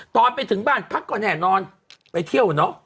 ตอนไปถึงบ้านพักก็แน่นอนไปเที่ยวเนอะ